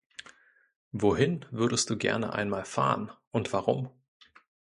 Wohin würdest du gerne einmal fahren und warum?